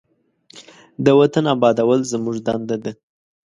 د وطن آبادول زموږ دنده ده.